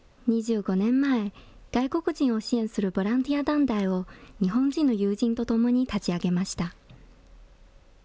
２５年前、外国人を支援するボランティア団体を日本人の友人とともに立ち上げました。